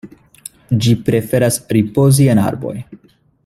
Ĝi preferas ripozi en arboj.